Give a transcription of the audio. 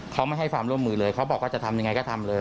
เขาไม่ให้ความร่วมมือเลยเขาบอกว่าจะทำยังไงก็ทำเลย